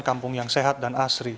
kampung yang sehat dan asri